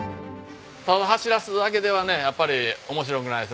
ただ走らすだけではねやっぱり面白くないです。